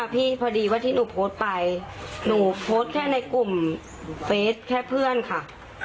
พอดีว่าที่หนูโพสต์ไปหนูโพสต์แค่ในกลุ่มเฟสแค่เพื่อนค่ะ